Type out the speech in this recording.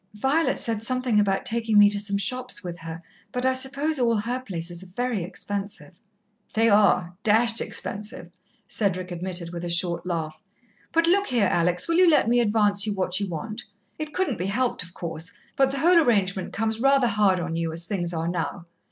"Violet said something about taking me to some shops with her, but I suppose all her places are very expensive." "They are dashed expensive," Cedric admitted, with a short laugh. "But look here, Alex, will you let me advance you what you want? It couldn't be helped, of course but the whole arrangement comes rather hard on you, as things are now.